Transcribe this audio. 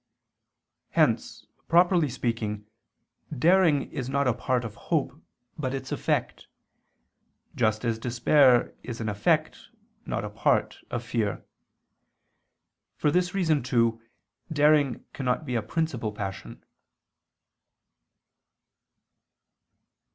Hence, properly speaking, daring is not a part of hope, but its effect: just as despair is an effect, not a part, of fear. For this reason, too, daring cannot be a principal passion.